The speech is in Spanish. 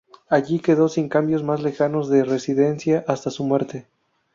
Allí quedó, sin cambios más lejanos de residencia hasta su muerte.